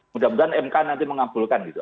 mudah mudahan mk nanti mengabulkan gitu